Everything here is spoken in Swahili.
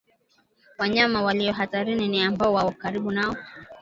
Wanyama walio hatarini ni ambao wako karibu naye